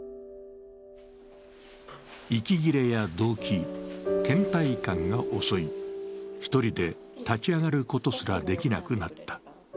息切れやどうき、けん怠感が襲い、１人で立ち上がることすらできなくなった。